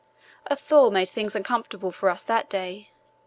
A thaw made things uncomfortable for us that day.